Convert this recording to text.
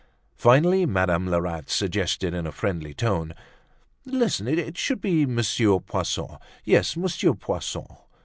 Finally, Madame Lerat suggested in a friendly tone: "Listen, it should be Monsieur Poisson; yes, Monsieur Poisson."